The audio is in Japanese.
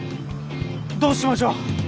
どうしましょう。